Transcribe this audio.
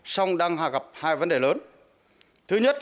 song đang gặp hai vấn đề lớn